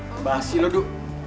kebasi lo du